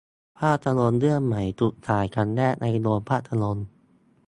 ภาพยนตร์เรื่องใหม่ถูกฉายครั้งแรกในโรงภาพยนตร์